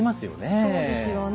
そうですよね。